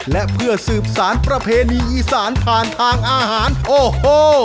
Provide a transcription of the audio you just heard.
และเพื่อสืบสารประเพณีอีสานผ่านทางอาหารโอ้โห